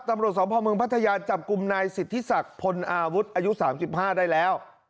ตำรวจสมภาพเมืองพัทยาจับกลุ่มนายสิทธิศักดิ์พลอาวุธอายุ๓๕ได้แล้ว